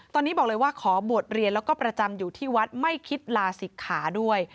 ตอนนี้บอกเลยว่าขอบวชเรียนแล้วก็ประจำอยู่ที่วัดไม่คิดลาศิกขาด้วย